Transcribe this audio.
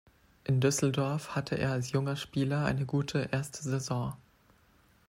In Düsseldorf hatte er als junger Spieler eine gute erste Saison.